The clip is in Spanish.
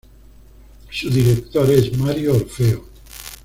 Su director es Mario Orfeo.